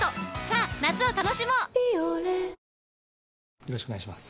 ・よろしくお願いします。